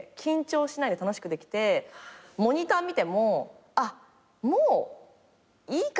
モニター見てもあっもういいかな。